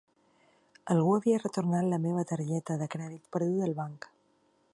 Algú havia retornat la meva targeta de crèdit perduda al banc.